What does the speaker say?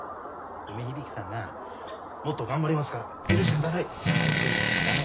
梅響さんがもっと頑張りますから許してくださいって言ってんのに駄目。